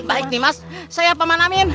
baik nih mas